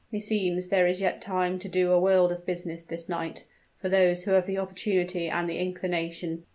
"Meseems there is yet time to do a world of business this night, for those who have the opportunity and the inclination."